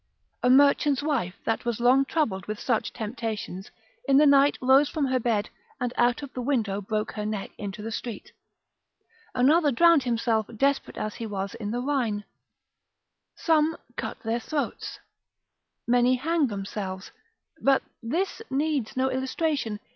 A merchant's wife that was long troubled with such temptations, in the night rose from her bed, and out of the window broke her neck into the street: another drowned himself desperate as he was in the Rhine: some cut their throats, many hang themselves. But this needs no illustration.